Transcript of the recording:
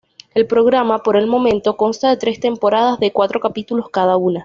El programa, por el momento, consta de tres temporadas, de cuatro capítulos cada una.